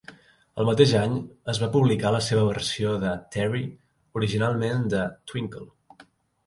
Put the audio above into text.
El mateix any es va publicar la seva versió de "Terry", originalment de Twinkle.